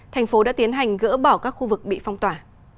thành phố đã tiến hành gỡ bỏ các khu vực bị phong tỏa